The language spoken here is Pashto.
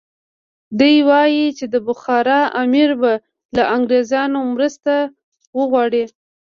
دی وایي چې د بخارا امیر به له انګریزانو مرسته وغواړي.